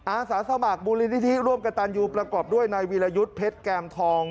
อาสาสมัครมูลนิธิร่วมกับตันยูประกอบด้วยนายวีรยุทธ์เพชรแกมทอง